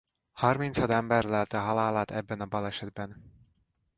Harminchat ember lelte halálát ebben a balesetben.